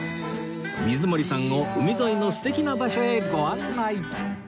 水森さんを海沿いの素敵な場所へご案内